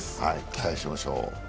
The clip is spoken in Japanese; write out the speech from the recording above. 期待しましょう。